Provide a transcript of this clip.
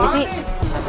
aduh apaan nih